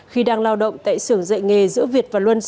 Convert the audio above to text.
khi đang lao động tại xưởng dạy nghề giữa việt nam và trung tâm